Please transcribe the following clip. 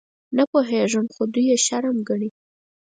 _نه پوهېږم، خو دوی يې شرم ګڼي.